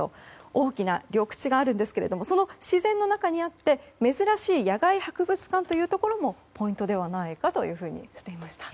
大きな緑地があるんですがその自然の中にあって珍しい野外博物館というのもポイントではないかとしていました。